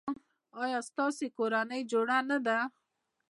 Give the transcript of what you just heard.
ایا ستاسو کورنۍ جوړه نه ده؟